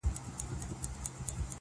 د کمزوري هم مرګ حق دی او هم پړ سي -